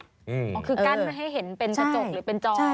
ก็คือกั้นไม่ให้เห็นเป็นกระจกหรือเป็นจอ